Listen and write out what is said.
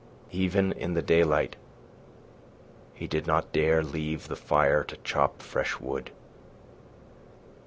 Even in the daylight he did not dare leave the fire to chop fresh wood.